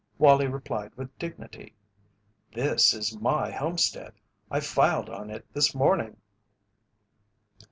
Wallie replied with dignity: "This is my homestead; I filed on it this morning."